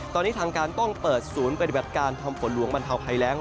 ตอนนี้ตังการต้องเปิดศูนย์เป็นประวัติการทำฝนหลวงบรรเทาไภแร้ง